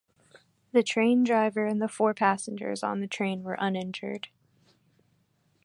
The train driver and the four passengers on the train were uninjured.